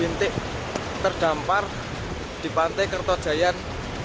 bintik terdampar di pantai kertojayan